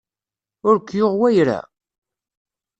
Ur k-yuɣ wayra?